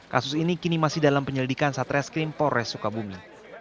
kasus ini kini masih dalam penyelidikan satreskrim polres sukabumi